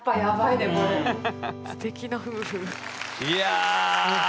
いや。